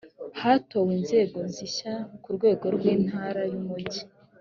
hatowe inzego zi’ishyaka ku rwego rw’ intara n ‘umujyi